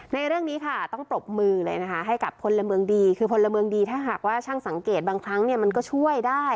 ในเรื่องนี้ค่ะต้องปรบมือเลยนะคะให้กับพลเมืองดีคือพลเมืองดีถ้าหากว่าช่างสังเกตบางครั้งเนี่ยมันก็ช่วยได้